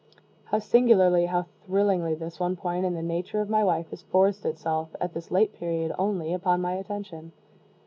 How singularly how thrillingly, this one point in the nature of my wife has forced itself, at this late period only, upon my attention!